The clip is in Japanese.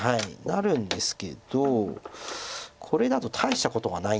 なるんですけどこれだと大したことがないんです。